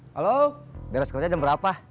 halo beres kerja jam berapa